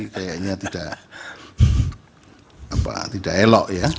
kayaknya tidak elok ya